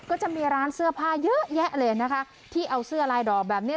ก็จะมีร้านเสื้อผ้าเยอะแยะเลยนะคะที่เอาเสื้อลายดอกแบบเนี้ย